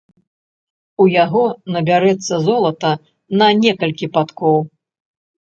У яго набярэцца золата на некалькі падкоў.